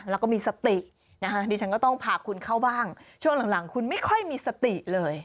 แล้วก็มีสตินะคะดิฉันก็ต้องพาคุณเข้าบ้างช่วงหลังคุณไม่ค่อยมีสติเลย